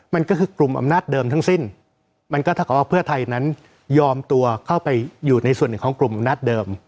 มันก็คือกลุ่มอำนาจเดิมทั้งสิ้นมันก็ถ้าเกิดว่าเพื่อไทยนั้นยอมตัวเข้าไปอยู่ในส่วนหนึ่งของกลุ่มอำนาจเดิม